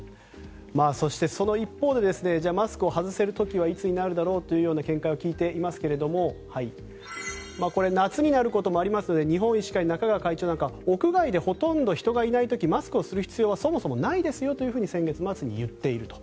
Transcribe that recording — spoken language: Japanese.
そして、その一方でマスクを外せる時はいつになるだろうという見解を聞いていますけれどもこれ夏になることもありますので日本医師会の中川会長なんかは屋外でほとんど人がいない時マスクをする必要はそもそもないですよと先月末に言っていると。